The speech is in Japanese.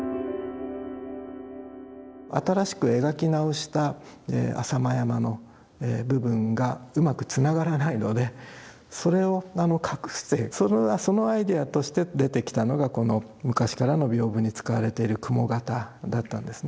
新しく描き直した浅間山の部分がうまくつながらないのでそれを隠すそのアイデアとして出てきたのがこの昔からの屏風に使われている雲形だったんですね。